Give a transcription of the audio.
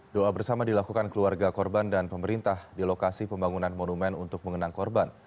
doa bersama dilakukan keluarga korban dan pemerintah di lokasi pembangunan monumen untuk mengenang korban